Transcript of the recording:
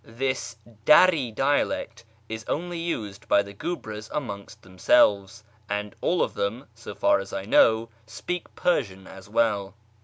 • This Dari dialect is only used by the guebres amongst themselves, and all of them, so far as I know, speak Persian as well.